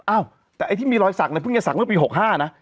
อ้าวแต่ไอ้ที่มีรอยสักเนี่ยเพิ่งจะสักเมื่อปี๖๕นะ